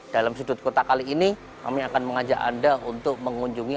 dalam sudut kota kali ini kami akan mengajak anda untuk mengunjungi